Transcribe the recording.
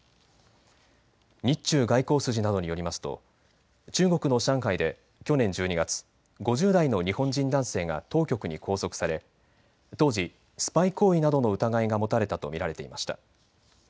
日中外交筋などによりますと中国の上海で去年１２月、５０代の日本人男性が当局に拘束され当時、スパイ行為などの疑いが持たれたと見られていました。